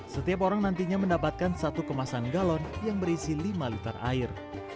setiap orang nantinya mendapatkan satu kemasan galon yang berisi lima liter air